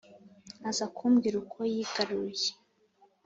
aza kumbwira uko yigaruye